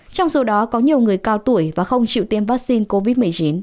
trong số đó có nhiều người cao tuổi và không chịu tiêm vaccine covid một mươi chín